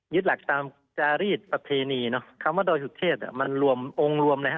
ยึดหลักตามจารีสประเทณีคำว่าดอยสุเทพมันโรมรวมนะฮะ